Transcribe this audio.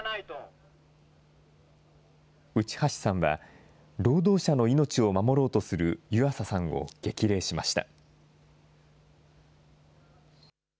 内橋さんは、労働者の命を守ろうとする湯浅さんを激励しました。